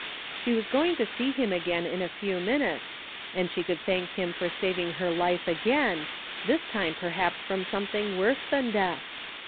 She was going to see him again in a few minutes, and she could thank him for saving her life again, this time perhaps from something worse than death.